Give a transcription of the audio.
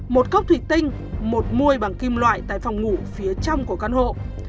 một cốc thủy tinh một môi bằng kim loại tại phòng ngủ phía trong của căn hộ